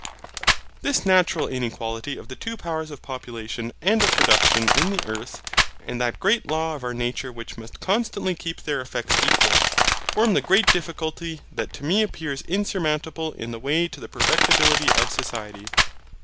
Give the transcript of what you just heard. This natural inequality of the two powers of population and of production in the earth, and that great law of our nature which must constantly keep their effects equal, form the great difficulty that to me appears insurmountable in the way to the perfectibility of society.